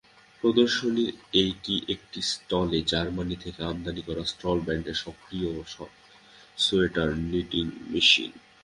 প্রদর্শনীর একটি স্টলে জার্মানি থেকে আমদানি করা স্টল ব্র্যান্ডের স্বয়ংক্রিয় সোয়েটার নিটিং মেশিন।